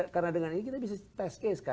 karena dengan ini kita bisa test case